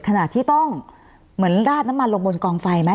ขณะที่ต้องเหมือนราดน้ำมันลงบนกองไฟไหม